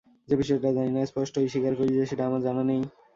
যে বিষয়টা জানি না, স্পষ্টই স্বীকার করি যে, সেটা আমার জানা নেই।